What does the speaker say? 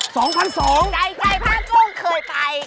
ใจพ่ากู้เคยไป